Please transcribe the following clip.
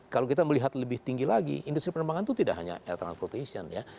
kalau kita melihat lebih tinggi lagi industri penerbangan itu tidak hanya air transportation ya